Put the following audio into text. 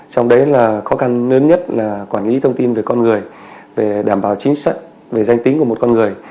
trong đấy là khó khăn lớn nhất là quản lý thông tin về con người về đảm bảo chính sách về danh tính của một con người